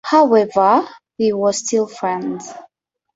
However, they were still friends.